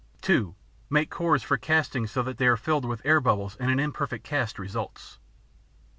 (2) Make cores for casting so that they are filled with air bubbles and an imperfect cast results.